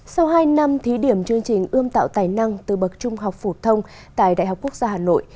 sau hai năm thí điểm chương trình ươm tạo tài năng từ bậc trung học phổ thông tại đại học quốc gia hà nội